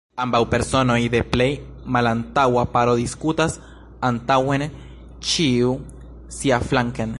Ambaŭ personoj de plej malantaŭa paro diskuras antaŭen, ĉiu siaflanken.